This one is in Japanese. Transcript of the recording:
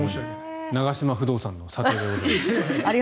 長嶋不動産の査定でございます。